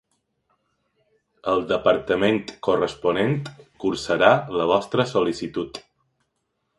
El departament corresponent cursarà la vostra sol·licitud.